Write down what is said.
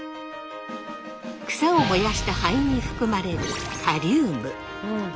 草を燃やした灰に含まれるカリウム。